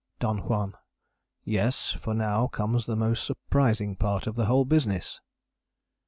DON JUAN. Yes; for now comes the most surprising part of the whole business.